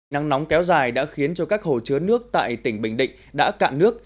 nắng nóng kéo dài đã khiến cho các hồ chứa nước tại tỉnh bình định đã cạn nước